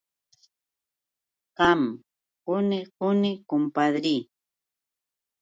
Qam quni quni, kumpadri.